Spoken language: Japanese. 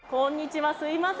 すいません。